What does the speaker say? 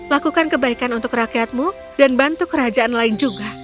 lakukan kebaikan untuk rakyatmu dan bantu kerajaan lain juga